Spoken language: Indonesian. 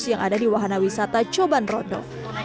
yang ada di wahana wisata coban rodo